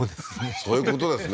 そういうことですね